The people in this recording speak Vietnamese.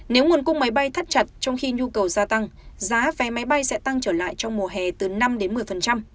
nếu nguồn cung máy bay thắt chặt trong khi nhu cầu gia tăng giá vé máy bay sẽ tăng trở lại trong mùa hè từ năm đến một mươi